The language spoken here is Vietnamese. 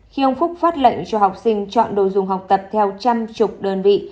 khi ông phúc phát lệnh cho học sinh chọn đồ dùng học tập theo trăm chục đơn vị